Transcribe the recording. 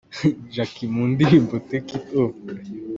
Jackie mu ndirimbo Take it off.